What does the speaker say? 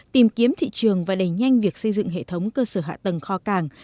tìm kiếm thị trường và đẩy nhanh việc xây dựng hệ thống cơ sở hạ tầng kho càng